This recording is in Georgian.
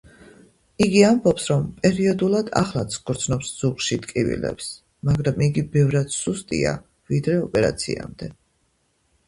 იგი ამბობს, რომ პერიოდულად ახლაც გრძნობს ზურგში ტკივილებს, მაგრამ იგი ბევრად სუსტია, ვიდრე ოპერაციამდე.